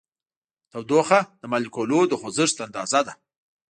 تودوخه د مالیکولونو د خوځښت اندازه ده.